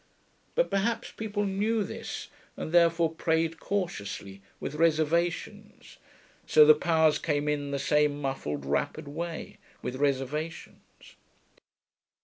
But perhaps people knew this, and therefore prayed cautiously, with reservations; so the powers came in the same muffled, wrapped way, with reservations.